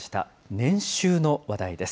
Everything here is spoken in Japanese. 年収の話題です。